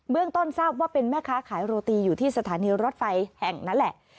ต้นทราบว่าเป็นแม่ค้าขายโรตีอยู่ที่สถานีรถไฟแห่งนั้นแหละ